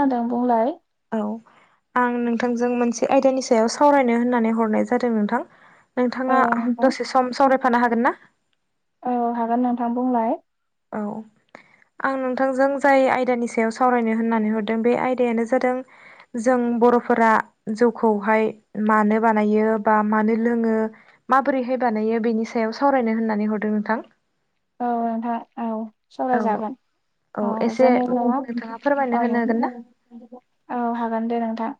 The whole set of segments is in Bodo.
खोनादों बुंलाय। औ आं नोंथांजों मोनसे आयदानि सायाव सावरायनो होननानै हरनाय जादों नोंथां। औ नोंथाङा नोंथां। दसे सम सावरायफानो हागोन ना? औ हागोन नोंथां बुंलाय। औ आं नोंथांजों जाय आयदानि सायाव सावरायनो होननानै हरदों बे आयदा दानो जादों जों बर'फोरा जौखौहाय मानो बानायो बा मा नो लोङो माबोरैहाय बानायो बेनि सायाव सावरायनो होननानै हरदों नोंथां। औ नोंथां औ सावराय औ जागोन। औ जोङो नोंथाङा फोरमायनो औ होनो हागोन ना? औ हागोन दे नोंथां।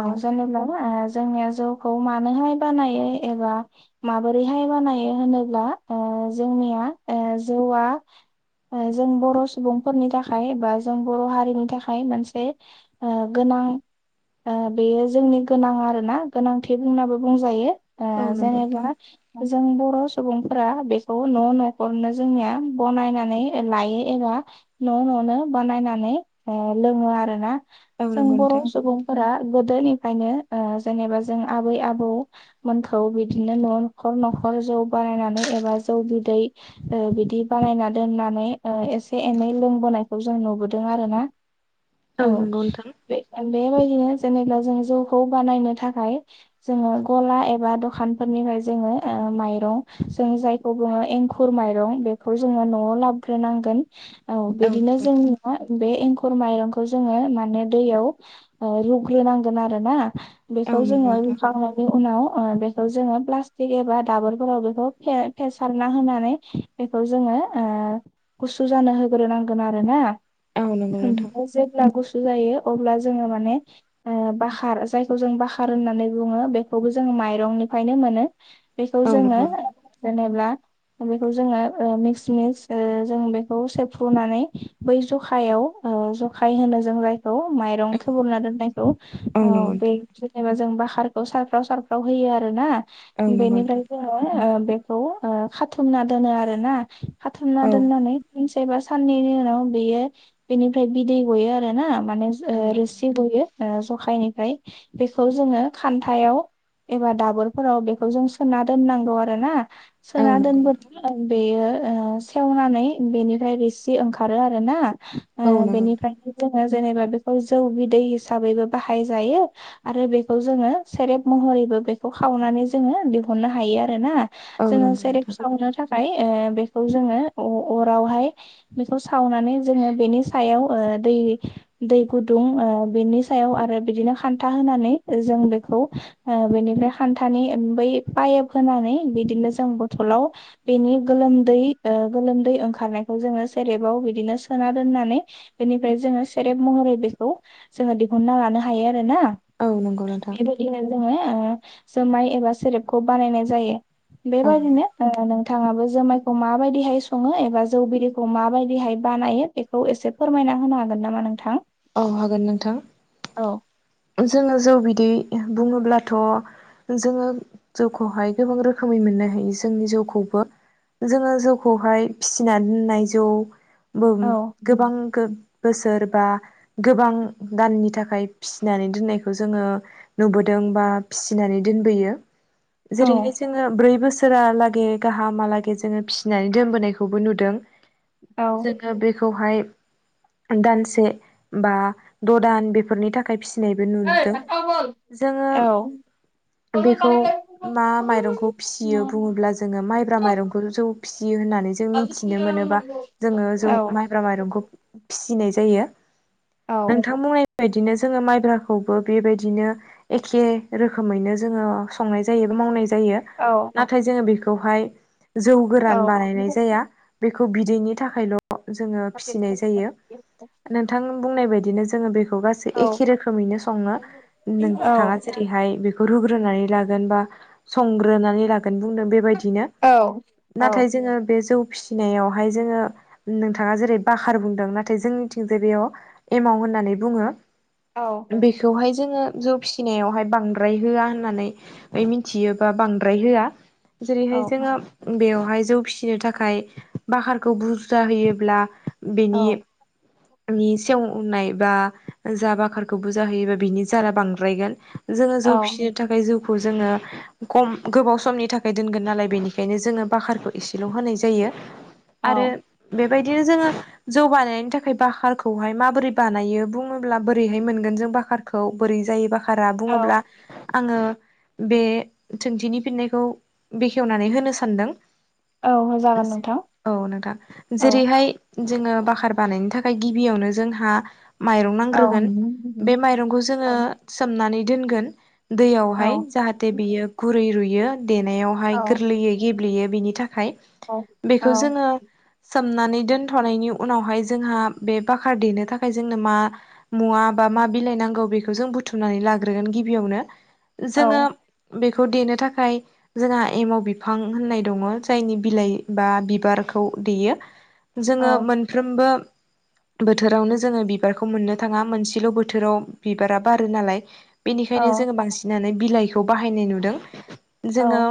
औ जेनेबा ना जोंङो। जौखौ मानोहाय बानायो एबा माबोरैहाय बानायो होनोब्ला ओ जोंनिया ए जौवा ओ जों बर' सुबुंफोरनि थाखाय बा जों बर' हारिनि थाखाय मोनसे ओ गोन [inaudible] ओ बेयो जोंनि गोनां आरोना गोनांथि बुंनाबो बुंजायो। ओ औ नंगौ नोंथां जेनेबा जों बर' सुबुंफोरा बेखौ न' न' न'खरनो जोंनिया बानायनानै लायो एबा न' न' आवनो बानायनानै ओ लोङो आरोना औ जों नंगौ बर' नोंथां सुबुंफोरा गोदोनिफ्रायनो ओ जेनेबा जों आबै आबौमोनखौ बिदिनो न' न'खर न'ख खर जौ बानायनानै एबा जौ बिदै ओ बिदि बानायना दोननानै एसे एनै लोंबोनायखौ जों नुबोदों आरो ना औ नंगौ नोंथां बेबायदिनो जेनेबा जों जौखौ बानायनो थाखाय जोङो गला एबा दखानफोरनि फ्राय जोङो ओ मायरं जों जायखौ बुङो एंखुर एंखुर माइर बेखौ जोङो न'आव लाबोग्रोनांगोन औ बिदिनो जों बे एंखुरखौ खर माइरंखौ जोङो माने दैयाव रुग्रोनांगोन आरो ना औ बेखौ नंगौ जोङो नोंथां रुखांनायनि उनाव बेखौ जोङो प्लास्टिक एबा दाबोरफोराव बेखौ फेसारना होना नै बेखौ जोङो ओ गुसु जानो होग्रोनांगोन आरोना औ नंगौ नोंथां ओमफ्राय जेब्ला गुसु जायो अब्ला जोङो माने बाहार जायखौ जों बाहार होननानै बुङो बेखौबो जों माइरंनिफ्रायनो मोनो बेखौ औ जोङो नंगौ नोंथां जेनेबा बेखौ जोङो मिस मिस जों बेखौ सेबफ्रुनानै बै जखायाव जखाय होनो जों जायखौ माइरं फुलुना दोननायखौ औ नंगौ बे नोंथां जेनेबा जों बाकारखौ सारफ्राव सारफ्राव होयो आरो ना औ नंगौ बेनिफ्राय नोंथां जोङो बेखौ खाथुमना दोनो आरो ना खाथुमना औ दोननानै सानसे बा साननैनि उनाव बेयो बेनिफ्राय बिदै गयो आरो ना माने नंगौ रोसि नोंथां गयो जखायनिफ्राय बेखौ जोङो खान्थायाव एबा दाबोरफोराव बेखौ जों सोना दोननांगौ आरो ना औ सोना नंगौ नोंथां दोनबोथ' बेयो सेवनानै बेनिफ्राय रोसि ओंखारो आरो ना औ नंगौ नोंथां बेनिफ्रायनो जोङो जेनेबा बेखौ जौ बिदै हिसाबैबो बाहाय जायो आरो बेखौ जोङो सेरेब महरै बो बेखौ खावनानै जोङो दिहुननो हायो आरो ना औ जोङो नंगौ सेरेब नोंथां सावनो थाखाय बेखौ जोङो अरावहाय बेखौ सावनानै जोङो बेनि सायाव ओ दै दै गुदुं ओ बिनि सायाव आरो बिदिनो खान्था होनानै जों बेखौ बेनिफ्राय खान्थानि बै पाइप होनानै बिदिनो जों बथलाव बेनि गोलोमदै ओ ओंखारनायखौ जोङो सेरेबाव बिदिनो सोना दोननानै बेनिफ्राय जोङो सेरेब महरै बेखौ जोङो दिहुनना लानो हायो आरो। आरोना औ नंगौ नोंथां बेबायदिनो जोङो जुमाय एबा सेरेबखौ बानायनाय जायो बेबायदिनो औ ओ नों थाङाबो जुमायखौ माबायदिहाय सङो एबा जौ बिदैखौ मा बायदिहाय बानायो बेखौ एसे फोरमायनो ना होनो हागोन नामा नोंथां? औ हागोन नोंथां। औ जोङो जौ बिदै बुङोब्लाथ' जोङो जौखौहाय गोबां रोखोमै मोननो हायो जोंनि जौखौबो जोङो जौखौहाय फिसिनानै दोननाय जौ औ गोबां बोसोर बा गोबां दाननि थाखाय फि सिनानै दोननायखौ जोङो नुबोदों बा फिसिनानै दोनबोयो। औ जेरैहाय जोङो ब्रै बोसो सोर हालागै गाहामालागै जोङो फिसिनानै दोनबोनायखौबो नुदों। औ जोङो बेखौहाय दानसे बा द दान बेफोरनि थाखाय फि [unintelligible] औ नुदों औ जोङो बेखौ मा माइरंखौ फिसियो बुङोब्ला। जोङो माइब्रा माइरंखौ जौ फिसियो। [unintelligible] जों औ मिथिनो मोनो बा जोङो औ जौ माइब्रा माइरंखौ फिसिनाय जायो। नोंथां बुंनाय बायदिनो जोङो माइब्राखौबो बेबायदिनो एखे रोखोमैनो जोङो संनाय जायोबा मावनाय जायो। जायो। नाथाय जोङो बेखौहाय जौ गोरान बानायनाय जाया। बेखौ बिदैनि थाखायल' जोङो फिसिनाय जायो। नोंथां बुंनाय बायदि। बिदिनो जों [unintelligible] एखे रोखोमयनो संंङो नोंथां जरैहाय [unintelligible] रुनानोय लागोन बा संग्रोनानै लागोन बुंदों बेबायदि। बिनो नाथाय जोङो बे जौ फिसिनायावहाय जोङो नोंथाङा जेरै बाखार बुंदों। नाथाय जोंनिथिं बेयाव एमाउ होनना बुंङो। औ बेखौहाय जोंङो फिसिनायावहाय बांद्राय होआ होननानै मिथियोबा बांद्राय होआ। जेरैहाय औ जोङो बेयाव। बेहाय जौ फिसिनो थाखाय बाखारखौ बुरजा होयोब्ला। बेनि औ सेवनाय बा जाबाख बाखारखौ बुजा होयोब्ला बिनि जारा बांद्रायोन। जों जौ औ फसिनो थाखाय [unintelligible] जोङो खम, गोबाव समनि थाखाय दोनगोन नालाय बेनिखायनो जोङो बाकारखौ एसेल' होनाय जायो। आरो औ बे बेबायदिनो जोङो जौ बानायनि थाखाय बाखारखौहाय माबोरै बानाय बुङोब्ला [unintelligible] बोरैहाय मोनगोन जों बाकारखौ बोरै जायो बाखारा बुङोब्ला? आङो बे सोंथिनि फिननायखौ बेखेवनानै होनो सानदों। औ जागोन नोंथां औ नोंथां औ जेरैहाय जोङो बाखार बानायनो थाखाय, गिबियावनो जोंहा माइरं औ नांग्रोगोन। बे माइरंखौ जोङो सोमनानै दोनगोन। औ दैयावहाय जाहाथे बियो गुरै रुयो। देनायावहाय औ गोरलैयै गेब्लेयो। बिनि थाखाय औ बेखौ जोङो। सोमनानै दोनथ'नायनि उनावहाय, जोंहा बे बाखार देनो थाखाय जोंनो मा मुवा बा मा बिलाइ नांगौ, बेखौ जों बुथुमनानै लाग्रोगोन गिबियावनो। जोङो बे बेखौ देनो थाखाय, जोंहा एमाव बिफां होननाय दङ। जायनि बिलाइ बा बिबारखौ देयो। औ जोङो मोनफ्रोमबो बोथोरावनो जोङो बिबारखौ मोननो थाङा मोनसेल' बोथोराव बिबारा बार नालाय, औ बेनिखायनो जो बांसिनानो बिलाइखौ बाहायनाय नुदों। जोङो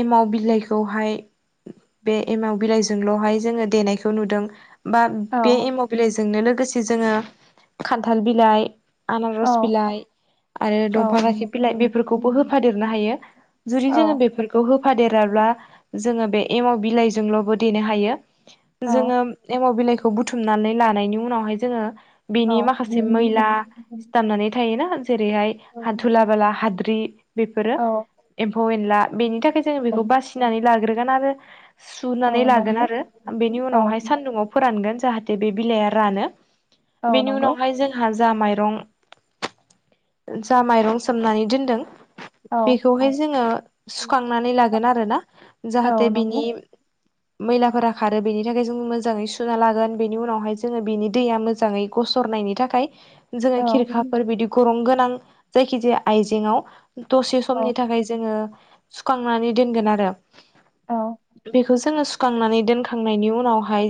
एमाव बिलाइखौहाय, बे एमाव बिलाइजोंल'हाय जोङो देनायखौ नुदों। बा बे एमाव बिलाइजोंनो लोगोसे जोङो खान्थाल बिलाइ। आनारस औ बिलाइ। आरो दंफां राखेब बिलाइ बेफोरखौबो होफादेरनो हायो। जुदि जोङो बेफोरखौ हो -फादेराब्ला जोङो बे एमाव बिलाइजोंल'बो देनो हायो। जोङो एमाव बिलाइखौ बुथुमनानै लानायनि उनावहाय जोङो बेनि माखासे मैला सिथामनानै थायोना। जेरैहाय हा, दुला, बाला, हाद्रि बेफोरो एम्फौ- एनला बेनि थाखाय जोङो बेखौ औ बासिनानै लाग्रोगोन आरो। सुनानै लागोन आरो। बेनि औ औ उनावहाय सान्दुङाव फोरानगोन जाहाथे बे बिलाइआ रानो। औ बेनि नंगौ उनावहाय जों जा माइरं जा माइरं सोमनानै दोनदों। औ बेखौहाय जोङो सुखांनानै लागोन आरोना। औ नंगौ औ जाहाथे नंगौ बिनि मैलाफोरा खारो बेनि थाखाय जों मोजाङै सुना लागोन। बेनि उनावहाय जोङो बेनि दैया मोजाङै। गसरनायनि थाखाय जोङो औ खिरखाफोर बिदि गरं गोनां। जायखिजाया आइजेंआव दसे औ समनि थाखाय जोङो। सुखांनानै दोनगोन आरो बेखौ जोङो। सुखांनानै दोनखांनायनि उनावहाय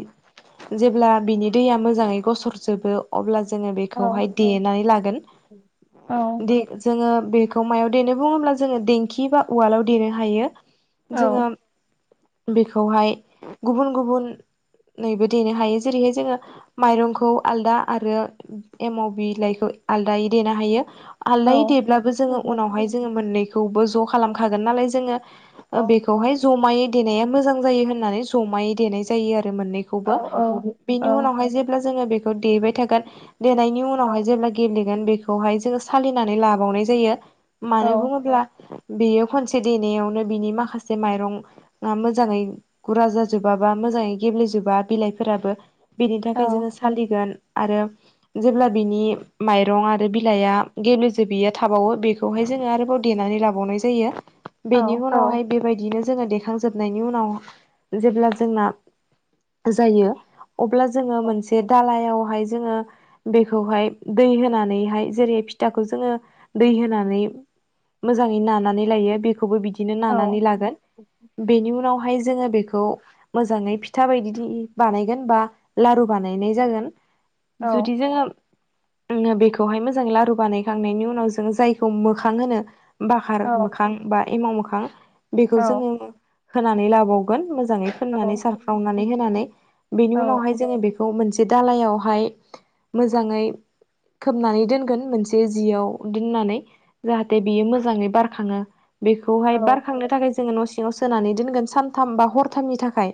जेब्ला बिनि दैया मोजाङै गसर जोबो अब्ला जोङो औ बेखौहाय देनानै लागोन औ जोङो। बेखौ मायाव देनो बुङोब्ला जोङो देंखि बा उवालाव देनो हायो। औ जोङो बेखौहाय गुबुन गुबुन नैबो देनो हायो जेरैहाय जोङो माइरंखौ आलदा आरो एमाव बिलाइखौ आलदायै देनो हायो। औ आलदाय देब्लाबो औ जोङो उनावहाय जोङो मोननैखौबो ज' खालामखागोन नालाय जोङो औ बेखौहाय जमायै देनाया मोजां जायो होननानै जमायै देनाय जायो आरो मोननैखौबो औ बेनि उनावहाय जेब्ला जोङो बेखौ देबाय थागोन। देनायनि उनावहाय जेब्ला गेलेगोन बेखौहाय जोङो सालिनानै लाबावनाय जायो। मानो बुङोब्ला बेयो खनसे देनायावनो बिनि माखासे माइरं मोजाङै गुरा जाजोबाबा मोजाङै गेबलेेजोबा बिलाइफोराबो बेनि थाखाय जोङो सालिगोन आरो जेब्ला बिनि माइरं आरो बिलाइआ गेब्लेेजोबैया थाबावगोन जो आरोबाव देनानै लाबनाय जायो औ बेनि उनावहाय बेबायदिनो जोङो देखांजोबनायनि उनाव जेब्ला जोंना जायो। अब्ला जोङो मोनसे दालायावहाय जोङो बेखौहाय दै होनानैहाय जेरै फिथाखौ जोङो दै दै होनानै मोजाङै नानानै लायो बेखौबो बिदि बिदिनो नानानै लागोन बेनि उनाव उनाव हाय जोङो बेखौ मोजाङै फिथा बादि बानायगोन बा लारु बानायनाय जागोन औ जुदि जोङो बेखौहाय मोजाङै लारु बानायखांनायनि उनाव जों जायखौ मोखां होनो बाखार औ मोखां बा एमाव मोखां बेखौ जोङो होनानै लाबावगोन मोजाङै फुननानै सारफ्रावनानै होनानै बेनि उनावहाय जोङो बे मोनसे दालायावहाय मोजाङै खोबनानै दोनगोन मोनसे जियाव दोननानै जाहाथे बियो मोजाङै बारलाङो। बेखौहाय बारखांनो थाखाय जोङो न' सिङाव सोनानै दोनगोन सानथाम बा हरथामनि थाखाय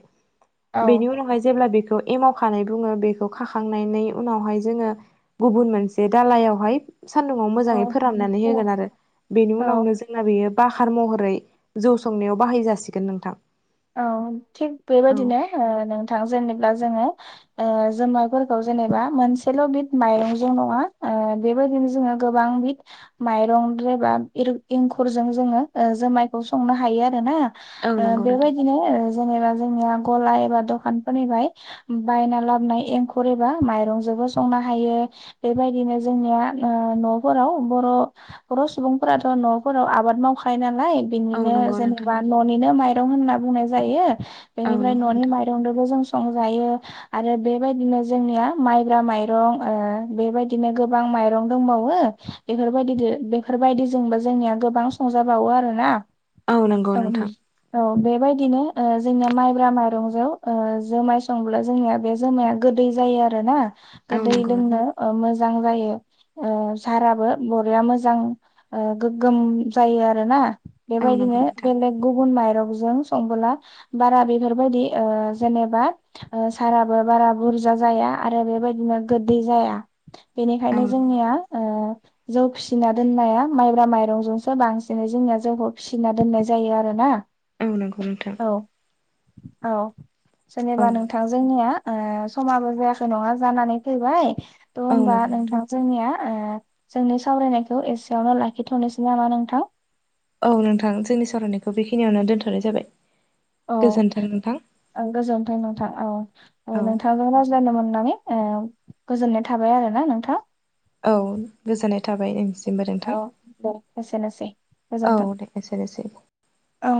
बेनि उनावहाय जेब्ला बेखौ एमाव नै बुङो बेखौ खाखांनानै उनावहाय जोङो गुबुन मोनसे दालायावहाय सान्दुङाव मोजाङै फोराननानै होगोन आरो बेनि औ उनावनो जोंना बेयो बाखार महरै जौ संनायाव बाहाय जासिगोन नोंथां। औ थिग औ बेबायदिनो नोंथां जेनेब्ला जोङो जोमायफोरखौ जेनेबा मोनसेल' बिद माइरंजों नङा बेबायदिनो जोङो गोबां बि माइरं बा एंखुरजों जोङो जुमायखौ संनो हायो आरो ना औ नंगौ। नोंथां बेबायदिनो जेनेबा जोंनिया गला एबा दखानफोरनिफ्राय बायना लाबोन एंखुर एबा माइरंजोंबो संनो हायो। बेबायदिनो जोंनिया न'फोराव बर बर' सुबुंफोराथ' न'फोराव आब आबाद मावखायो नालाय औ बिनिनो नंगौ नोंथां जेनेबा न'निनो माइरं होनना बुंनाय जायो। औ बेनिफ्राय नंगौ न'नि नोंथां माइरंजोंबो जों संजायो आरो बेबायदिनो जोंनिया माइब्रा माइरं बेबायदिनो गोबां माइरं दंबावो बेफोरबायदि बेफोरबायदिजोंबो जोंनिया गोबां संजाबावो आरोना। औ नंगौ नोंथां औ बेबायदिनो जोंनिया माइब्रा माइरंजों जुमाय संब्ला जोंनिया बे जोमाया गोदै जायो आरोना औ गोदै नंगौ नोंथां लोंनो मोजां जायो ओ साराबो बरिया मोजां गोगोम जायो आरोना औ नंगौ बेबायदिनो नोंथां बेलेग गुबुन माइ माइरंजों संब्ला बारा बेफोरबायदि ओ जेनेबा साराबो बारा बुरजा जाया आरो बेबायदिनो गोदै जाया औ बेनिखायनो नंगौ जोंनिया जौ फिसिना दोननाया माइब्रा माइरंजोंसो बांसिनै जोंनिया जौखौ फिसिना दोननाय जायो आरो ना औ नंगौ नोंथां। औ औ जेनेबा नोंथां जोंनिया ओ समाबो जायाखै नङा जानानै फैबाय थ' होमबा नोंथां जोंनिया ओ जोंनि सावरायनायखौ एसेयावनो लाखिथ'नोसै नामा नोंथां। औ नोंथां जोंनि सावरायनायखौ बेखिनियावनो दोनथ'नाय जाबाय औ गोजोन्थों नोंथां गोजोनथों नोंथां औ औ नोंथांजों रायज्लायनो मोननानै ओ गोजोननाय थाबाय आरोना नोंथां। औ गोजोननाय थाबाय नोंथांनिसिमबो नोंथां। औ दे एसेनोसै औ गोजोन्थों दे एसेनोसै औ